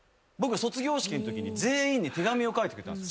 卒業式のときに全員に手紙を書いてくれたんです。